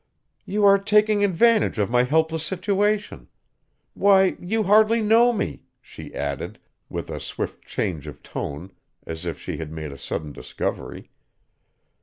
"You are taking advantage of my helpless situation. Why, you hardly know me!" she added, with a swift change of tone as if she had made a sudden discovery.